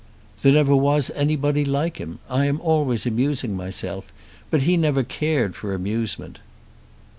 "There never was anybody like him. I am always amusing myself, but he never cared for amusement."